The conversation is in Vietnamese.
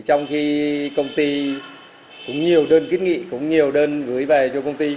trong khi công ty cũng nhiều đơn kiến nghị cũng nhiều đơn gửi về cho công ty